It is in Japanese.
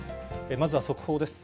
まずは速報です。